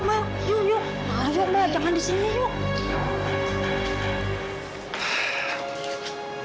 ayo mbak jangan di sini yuk